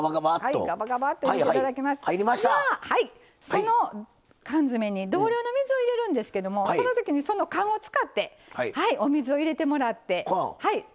その、缶詰に同量の水を入れるんですけどそのときに、その缶を使ってお水を入れてもらって。